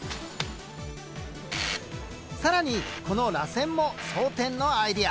更にこのらせんも装填のアイデア。